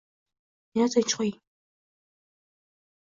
“Meni tinch qo‘ying...”